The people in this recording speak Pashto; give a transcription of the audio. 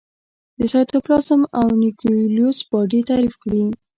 د سایتوپلازم او نیوکلیوس باډي تعریف کړي.